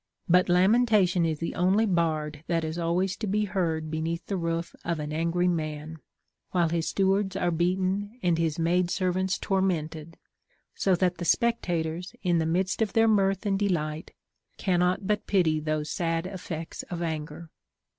'• But lamentation is the only bard that is always to be heard beneath the roof" of the angry man, while his stewards are beaten and his maid servants tormented ; so that the spec tators, in the midst of their mirth and delight, cannot but pity those sad effects of anger.